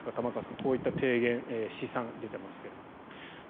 こういった提言や試算が出ていますが。